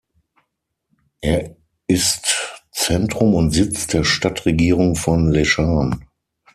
Er ist Zentrum und Sitz der Stadtregierung von Leshan.